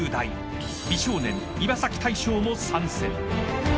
［美少年岩大昇も参戦］